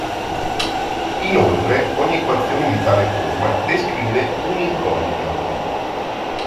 Inoltre ogni equazione di tale forma descrive un'inconica.